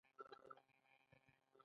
معاینه کیږي چې مختلف رنګونه اختیاروي.